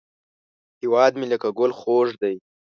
هیواد مې لکه ګل خوږ دی